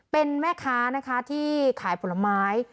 เป็นแม่ค้านะคะที่ขายผลไม้